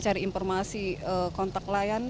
saya sudah ada informasi kontak lion